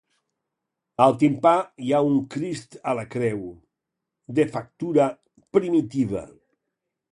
Al timpà hi ha un Crist a la creu, de factura primitiva.